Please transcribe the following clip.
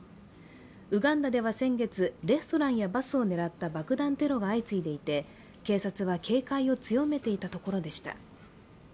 ウガンダでは先月、レストランやバスを狙った爆弾テロが相次いでいて警察は警戒を強めていたところでした。